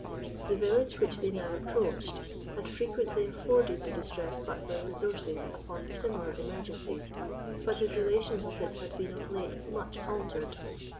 The village which they now approached had frequently afforded the distressed butler resources upon similar emergencies; but his relations with it had been of late much altered.